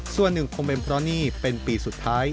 ส่วนหนึ่งคงเป็นเพราะนี่เป็นปีสุดท้าย